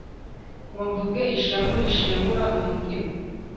ngo mvuge ishavu rishengura umutima